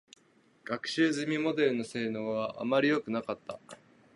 学習済みモデルの性能は、あまりよくなかった。